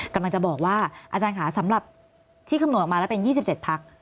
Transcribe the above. กำลังจะบอกว่าอาจารย์ค่ะสำหรับที่คำนวณออกมาแล้วเป็น๒๗พัก